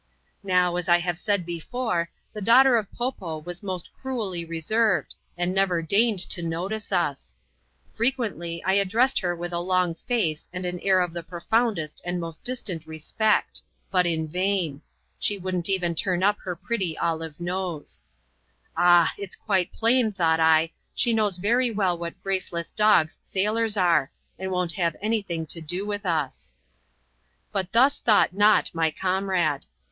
Now, as I have said before, the daughter of Po Po w^^ \stf^^ crueUf reserved, and never deigned to noWii^ >3ia. ^x^njasscJ^ sm ADVENTURES IN THE SOUTH SEAS, [oharulxth. I adddressed her with, a long faee and an air of the profoundssi and most distant respect — but in Tain; she wocddn't eien turn up her pretty c^ye nose. Ab! it's quite plain, thought If she knows very well what graceless dogs sail<^s are, and won't hare anj thing to do with us. But thus thought not mj comrade.